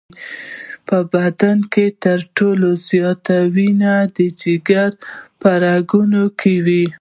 په بدن کې تر ټولو زیاته وینه د جگر په رګونو کې وي.